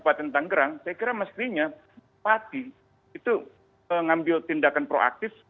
kabupaten tanggerang saya kira mestinya pati itu mengambil tindakan proaktif